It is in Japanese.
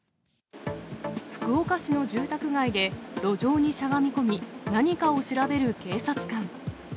福岡市の住宅街で、路上にしゃがみ込み、何かを調べる警察官。